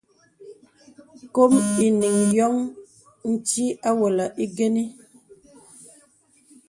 Kòm enīŋ yóŋ ntí àwolə ingənə.